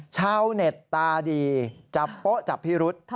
ชาวแบบตาดีจับโป๊ะจับพี่รุฑ